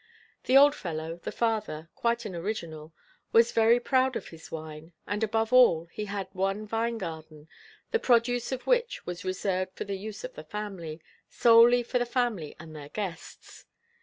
The old fellow, the father, quite an original, was very proud of his wine; and above all he had one vine garden, the produce of which was reserved for the use of the family, solely for the family and their guests.